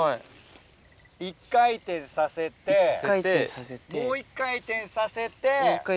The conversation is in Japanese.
一回転させてもう一回転させて。